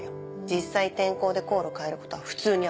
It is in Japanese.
実際天候で航路変えることは普通にあるし。